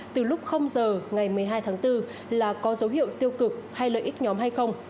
từ lúc giờ ngày một mươi hai tháng bốn là có dấu hiệu tiêu cực hay lợi ích nhóm hay không